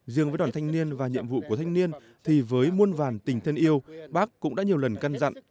riêng với đoàn thanh niên và nhiệm vụ của thanh niên thì với muôn vàn tình thân yêu bác cũng đã nhiều lần căn dặn